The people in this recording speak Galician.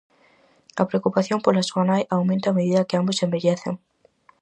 A preocupación pola súa nai aumenta a medida que ambos envellecen.